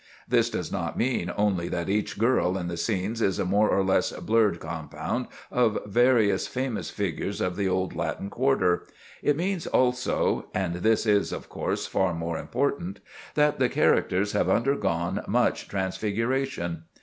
This does not mean only that each girl in the "Scenes" is a more or less blurred compound of various famous figures of the old Latin Quarter; it means, also—and this is, of course, far more important,—that the characters have undergone much transfiguration.